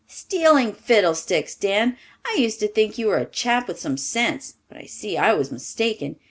"Stealing, fiddlesticks! Dan, I used to think you were a chap with some sense, but I see I was mistaken.